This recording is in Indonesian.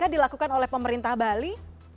dilakukan oleh pemerintah bali